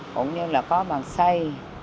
cũng như là có bàn xoay